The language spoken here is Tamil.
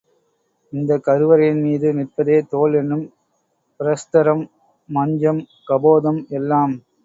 இந்த கருவறையின் மீது நிற்பதே தோள் என்னும் பிரஸ்தரம், மஞ்சம், கபோதம் எல்லாம்.